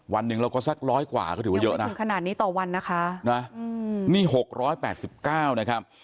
วันหนึ่งเราก็สักร้อยกว่าก็ถือว่าเยอะนะฮะนี่๖๘๙นะครับ